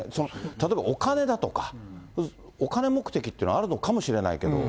例えばお金だとか、お金目的というのはあるのかもしれないけど。